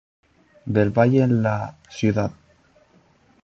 Del Valle en la Cd.